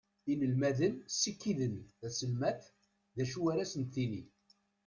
Inelmaden sikiden taselmadt d acu ara sen-d-tini.